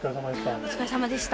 お疲れさまでした。